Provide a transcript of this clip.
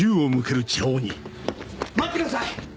待ってください！